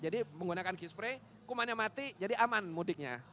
jadi menggunakan key spray kumannya mati jadi aman mudiknya